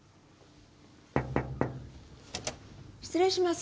失礼します。